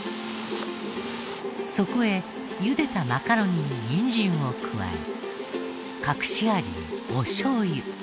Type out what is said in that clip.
そこへゆでたマカロニににんじんを加え隠し味におしょう油。